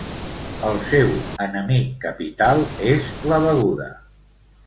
El seu enemic capital és la beguda.